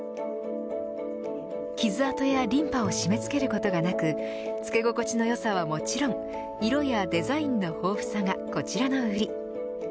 傷痕やリンパを締め付けることがなくつけ心地のよさはもちろん色やデザインの豊富さがこちらの売り。